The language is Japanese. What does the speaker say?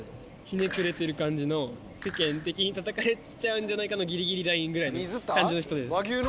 ひねくれてる感じの世間的に叩かれちゃうんじゃないかのギリギリラインぐらいの感じの人です。